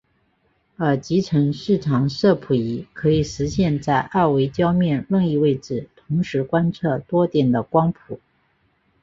而集成视场摄谱仪可以实现在二维焦面任意位置同时观测多点的光谱。